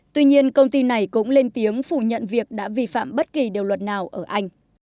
tuy nhiên công ty này cũng lên tiếng phủ nhận việc đã vi phạm bất kỳ điều luật nào ở anh